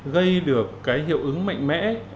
gây được cái hiệu ứng mạnh mẽ